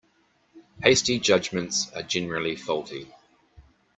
Hasty judgements are generally faulty.